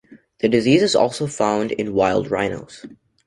The disease is also found in wild rhinos.